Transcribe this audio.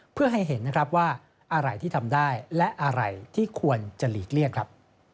เพื่อให้เห็นนะครับว่าอะไรที่ทำได้และอะไรที่ควรจะหลีกเลี่ยงครับ